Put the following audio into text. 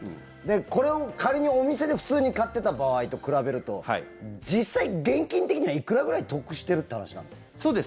これを仮にお店で普通に買ってた場合と比べると実際、現金的にはいくらぐらい得してるって話なんですか？